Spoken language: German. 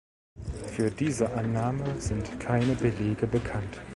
Für diese Annahme sind keine Belege bekannt.